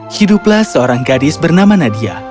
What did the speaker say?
hiduplah seorang gadis bernama nadia